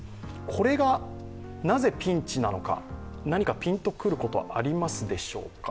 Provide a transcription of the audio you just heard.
これがなぜピンチなのか、何かピンとくることありますでしょうか。